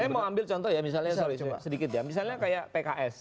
saya mau ambil contoh ya misalnya sorry coba sedikit ya misalnya kayak pks